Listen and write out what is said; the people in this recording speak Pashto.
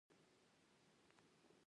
تورېست یم.